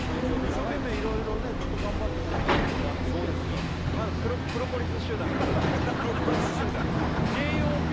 一生懸命色々ねずっと頑張ってここまでこうやってきてんのにプロポリス集団プロポリスのＰ